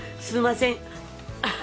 すみません。